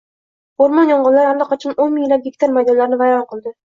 O‘rmon yong‘inlari allaqachon o‘n minglab gektar maydonlarni vayron qildi